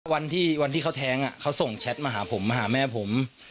วันที่เขาแท้งเขาส่งแชทมาหาผมมาหาแม่ผม